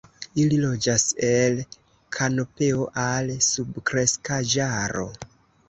Ili loĝas el kanopeo al subkreskaĵaro.